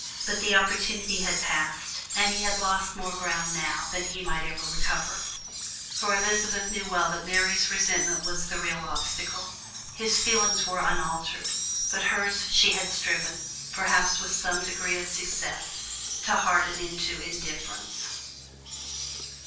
But the opportunity had passed, and he had lost more ground now than he might ever recover, for Elizabeth knew well that Mary's resentment was the real obstacle: his feelings were unaltered, but hers she had striven, perhaps with some measure of success, to harden into indifference.